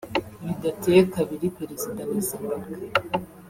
Bidateye kabiri Perezida wa Zimbabwe